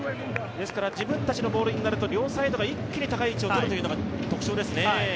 自分たちのボールになると両サイドが一気に高い位置をとるというのが特徴ですね。